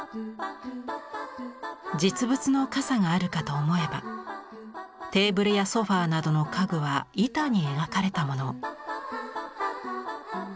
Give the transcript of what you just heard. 実物の傘があるかと思えばテーブルやソファーなどの家具は板に描かれたもの。